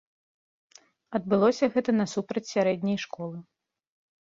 Адбылося гэта насупраць сярэдняй школы.